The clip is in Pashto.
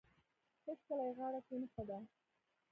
هیڅکله یې غاړه کښېنښوده.